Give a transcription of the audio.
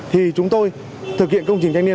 thì chúng tôi thực hiện công trình trang niên